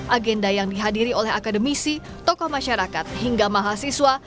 agenda yang dihadiri oleh akademisi tokoh masyarakat hingga mahasiswa